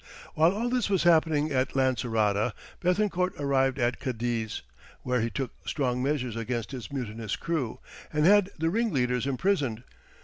While all this was happening at Lancerota, Béthencourt arrived at Cadiz, where he took strong measures against his mutinous crew, and had the ringleaders imprisoned.